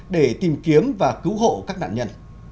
để tìm kiếm và cứu hộ các nạn nhân